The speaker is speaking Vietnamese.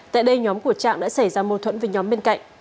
tại đây nhóm của trạng đã xảy ra mâu thuẫn với nhóm bên cạnh